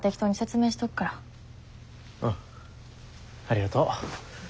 うんありがとう。